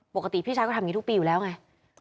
พี่ชายก็ทำอย่างนี้ทุกปีอยู่แล้วไง